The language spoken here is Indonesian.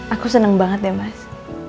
aku senang banget ya mas